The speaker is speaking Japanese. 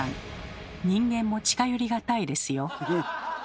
人間も近寄り難いですよ。